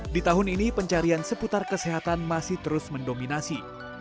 di tahun ini pencarian seputar kesehatan masih terus mendominasi